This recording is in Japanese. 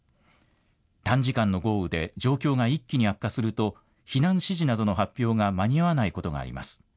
短時間の豪雨で状況が一気に悪化すると避難指示などの発表が間に合わないことがあります。